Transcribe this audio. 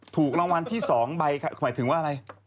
ถูกรางวัลที่๒ใบหมายถึงว่าอะไร